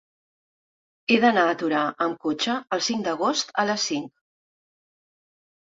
He d'anar a Torà amb cotxe el cinc d'agost a les cinc.